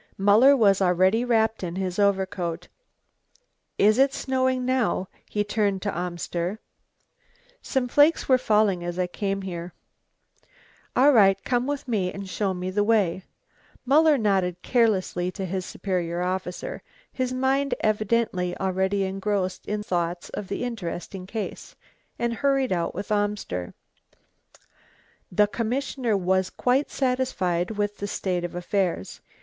Muller was already wrapped in his overcoat. "Is it snowing now?" He turned to Arnster. "Some flakes were falling as I came here." "All right. Come with me and show me the way." Muller nodded carelessly to his superior officer, his mind evidently already engrossed in thoughts of the interesting case, and hurried out with Amster. The commissioner was quite satisfied with the state of affairs.